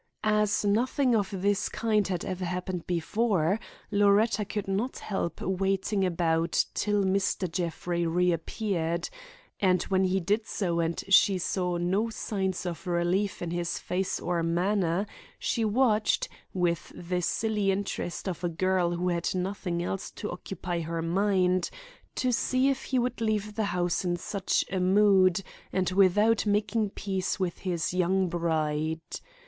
As nothing of this kind had ever happened before, Loretta could not help waiting about till Mr. Jeffrey reappeared; and when he did so and she saw no signs of relief in his face or manner, she watched, with the silly interest of a girl who had nothing else to occupy her mind, to see if he would leave the house in such a mood, and without making peace with his young bride.